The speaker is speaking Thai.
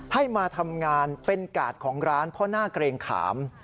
ให้มาทำงานเป็นกาดของร้านเพราะหน้าเกรงขาม